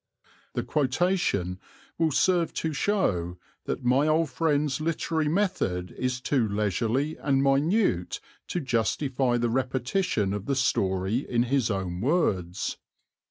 The quotation will serve to show that my old friend's literary method is too leisurely and minute to justify the repetition of the story in his own words.